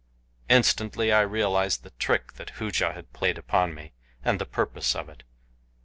Instantly I realized the trick that Hooja had played upon me, and the purpose of it.